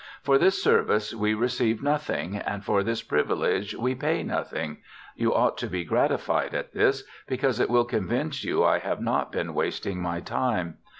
For this service we receive nothing, and for this privilege we pay nothing; you ought to be gratified at this, because it will convince you I have not been wasting m}' time.